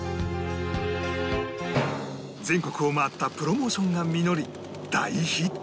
全国を回ったプロモーションが実り大ヒット！